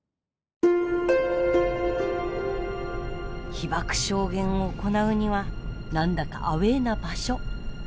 被爆証言を行うには何だかアウェーな場所。